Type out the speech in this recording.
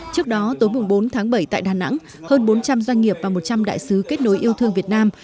trước đó tối bốn tháng bảy tại đà nẵng hơn bốn trăm linh doanh nghiệp và một trăm linh đại sứ kết nối yêu thương việt nam